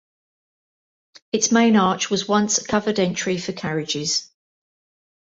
Its main arch was once a covered entry for carriages.